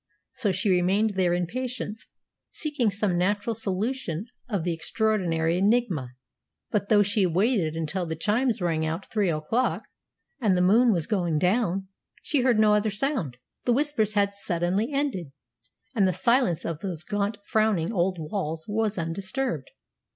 So she remained there in patience, seeking some natural solution of the extraordinary enigma. But though she waited until the chimes rang out three o'clock and the moon was going down, she heard no other sound. The Whispers had suddenly ended, and the silence of those gaunt, frowning old walls was undisturbed.